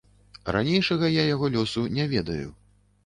Ранейшага я яго лёсу не ведаю.